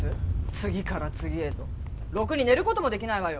次から次へとろくに寝ることもできないわよ